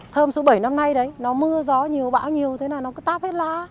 thơm số bảy năm nay đấy nó mưa gió nhiều bão nhiều thế là nó cứ tác hết lá